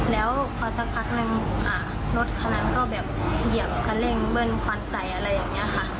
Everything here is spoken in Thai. แล้วพอสักครั้งนึงเขาก็ขับรถช้านะคะ